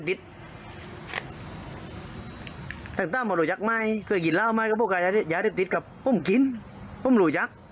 สาเหตุ